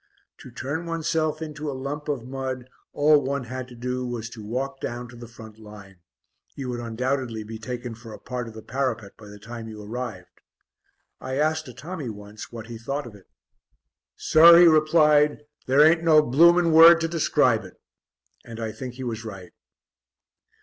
To turn oneself into a lump of mud, all one had to do was to walk down to the front line; you would undoubtedly be taken for a part of the parapet by the time you arrived. I asked a Tommy once what he thought of it. "Sir," he replied, "there ain't no blooming word to describe it!" And I think he was right.